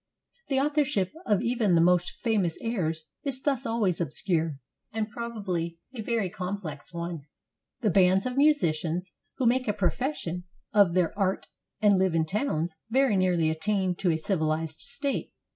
The authorship of even the most famous airs is thus always obscure, and probably a very complex one. The bands of musicians, who make a profession of their 406 STORIES OF THE GYPSIES art and live in towns, very nearly attain to a civilized state.